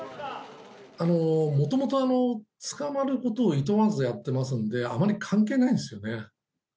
元々捕まることをいとわずやってますのであまり関係ないんですよね。